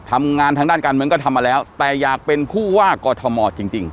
ทำงานทางด้านการเมืองก็ทำมาแล้วแต่อยากเป็นผู้ว่ากอทมจริง